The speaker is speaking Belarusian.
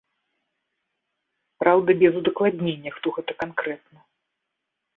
Праўда, без удакладнення, хто гэта канкрэтна.